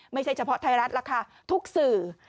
ไม่ใช่เฉพาะไทยรัฐล่ะค่ะทุกสื่อ